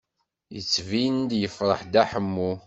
Yettbin-d yefṛeḥ Dda Ḥemmu.